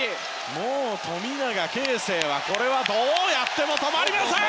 もう富永啓生はどうやっても止まりません。